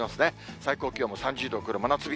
最高気温は３０度を超える真夏日。